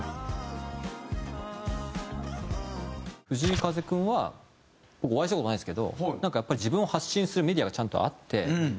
藤井風君は僕お会いした事ないですけどなんかやっぱり自分を発信するメディアがちゃんとあって。